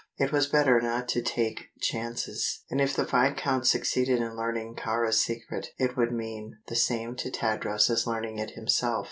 It was better not to take chances, and if the viscount succeeded in learning Kāra's secret it would mean the same to Tadros as learning it himself.